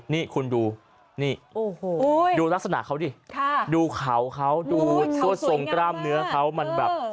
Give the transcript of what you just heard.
นี่คุณดูดูลักษณะเขาดิดูเขาเขาดูสวดส่งกล้ามเนื้อเขามันแบบ